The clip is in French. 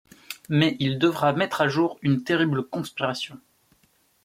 Mais il devra mettre à jour une terrible conspiration…